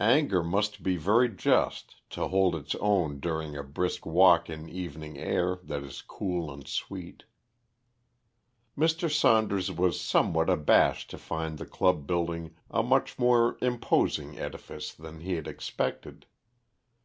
Anger must be very just to hold its own during a brisk walk in evening air that is cool and sweet. Mr. Saunders was somewhat abashed to find the club building a much more imposing edifice than he had expected.